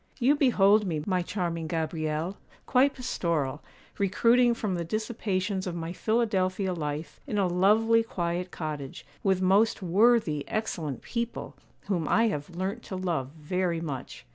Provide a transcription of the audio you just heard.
'You behold me, my charming Gabrielle, quite pastoral; recruiting from the dissipations of my Philadelphia life in a lovely, quiet cottage, with most worthy, excellent people, whom I have learnt to love very much.